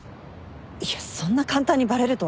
いやそんな簡単にバレるとは。